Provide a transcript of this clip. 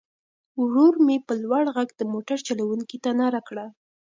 ورور مې په لوړ غږ د موټر چلوونکي ته ناره کړه.